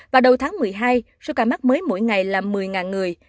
và đầu tháng một mươi hai số ca mắc mới mỗi ngày là một mươi người